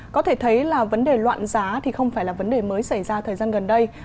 có thể thấy là vấn đề loạn giá thì không phải là vấn đề mới xảy ra thời gian gần đây